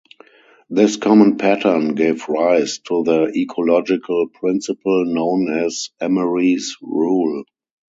This common pattern gave rise to the ecological principle known as "Emery's Rule".